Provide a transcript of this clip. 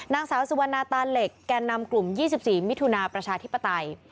นางสาวสุวรรณาตาเหล็กแก่นำกลุ่ม๒๔มิถุนาประชาธิปไตย